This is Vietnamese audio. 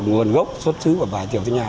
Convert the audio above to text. nguồn gốc xuất sứ của vải tiểu thanh hà